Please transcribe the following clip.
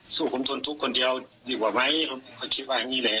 สู้ผมทนทุกข์คนเดียวดีกว่าไหมผมก็คิดว่าอย่างนี้แหละ